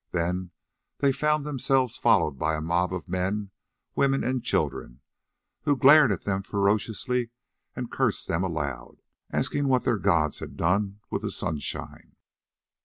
Then they found themselves followed by a mob of men, women, and children, who glared at them ferociously and cursed them aloud, asking what they and their gods had done with the sunshine.